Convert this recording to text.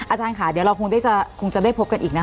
อาจารย์ค่ะเดี๋ยวเราคงจะได้พบกันอีกนะคะ